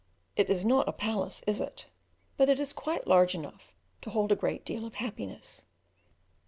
It is not a palace is it? But it is quite large enough to hold a great deal of happiness.